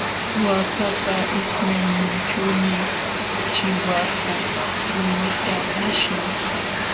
Waakapa ismayninćhuumi chiwaku kuluta ashin.